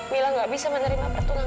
mila gak bisa menerima pertunangan ini